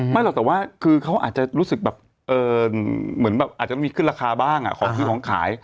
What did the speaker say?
หรอกแต่ว่าคือเขาอาจจะรู้สึกแบบเหมือนแบบอาจจะมีขึ้นราคาบ้างของซื้อของขาย